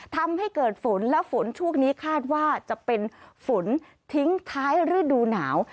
ทำให้เกิดฝนและฝนช่วงนี้คาดว่าจะเป็นฝนทิ้งท้ายฤดูหนาว